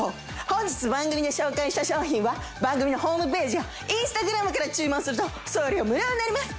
本日番組で紹介した商品は番組のホームページやＩｎｓｔａｇｒａｍから注文すると送料無料になります。